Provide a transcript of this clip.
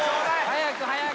早く早く。